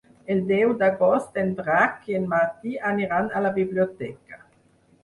El deu d'agost en Drac i en Martí aniran a la biblioteca.